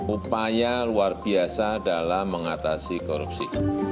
upaya luar biasa dalam mengatasi korupsi